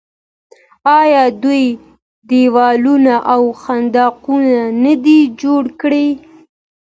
آیا دوی دیوالونه او خندقونه نه دي جوړ کړي؟